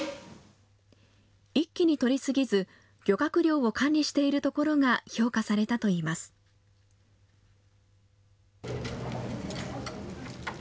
一気に取り過ぎず、漁獲量を管理しているところが評価されたといいます。